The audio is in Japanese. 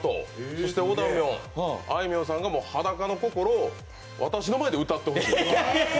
そしておだみょん、あいみょんさんが「裸の心」を私の前で歌ってほしいと。